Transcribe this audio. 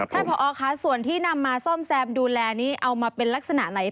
ผอค่ะส่วนที่นำมาซ่อมแซมดูแลนี้เอามาเป็นลักษณะไหน